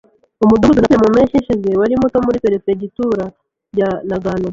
Umudugudu nasuye mu mpeshyi ishize wari muto muri perefegitura ya Nagano.